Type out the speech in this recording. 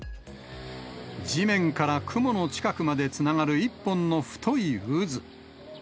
地面から雲の近くまでつながる一本の太い渦。